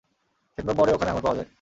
সেপ্টেম্বরে ওখানে আঙ্গুর পাওয়া যায়।